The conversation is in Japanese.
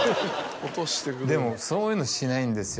でもそういうのしないんですよ